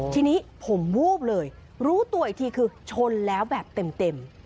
ทีนี้ผมวูบเลยรู้ตัวอีกทีคือชนแล้วแบบเต็ม